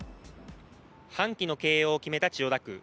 半旗の掲揚を決めた千代田区。